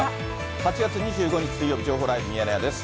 ８月２５日水曜日、情報ライブミヤネ屋です。